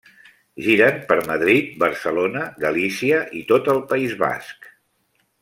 Giren per Madrid, Barcelona, Galícia i tot el País Basc.